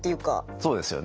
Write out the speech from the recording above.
そうですよね。